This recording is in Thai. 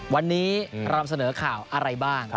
วันนี้เรานำเสนอข่าวอะไรบ้าง